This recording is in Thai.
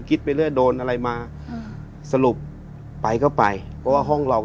ไปเรื่อยโดนอะไรมาสรุปไปก็ไปเพราะว่าห้องเราก็